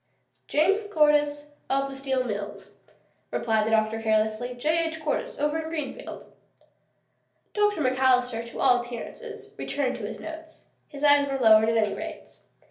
"James Cordyce, of the Steel Mills," replied the doctor carelessly. "J. H. Cordyce over in Greenfield." Dr. McAllister, to all appearances, returned to his notes. His eyes were lowered, at any rate.